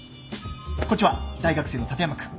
こっちは大学生の立山君。